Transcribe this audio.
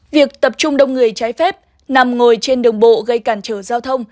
việc tập trung đông người trái phép nằm ngồi trên đường bộ gây cản trở giao thông